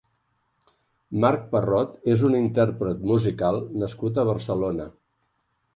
Marc Parrot és un intérpret musical nascut a Barcelona.